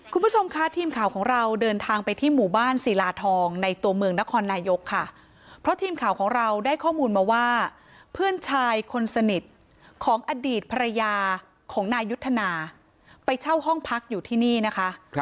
คุณผู้ชมค่ะทีมข่าวของเราเดินทางไปที่หมู่บ้านศิลาทองในตัวเมืองนครนายกค่ะเพราะทีมข่าวของเราได้ข้อมูลมาว่าเพื่อนชายคนสนิทของอดีตภรรยาของนายยุทธนาไปเช่าห้องพักอยู่ที่นี่นะคะ